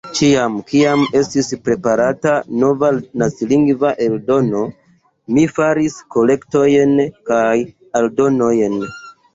Ĉiam, kiam estis preparata nova nacilingva eldono, mi faris korektojn kaj aldonojn.